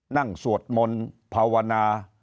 นั่งสวดมนตร์ภาวนา